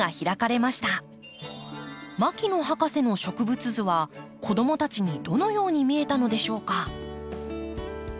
牧野博士の植物図は子どもたちにどのように見えたのでしょうか？